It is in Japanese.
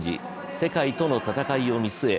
世界との戦いを見据え